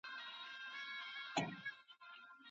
لرو پرتو ولسوالیو ته څه ورکول کیږي؟